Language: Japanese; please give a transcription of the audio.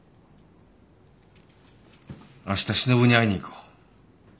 あしたしのぶに会いに行こう。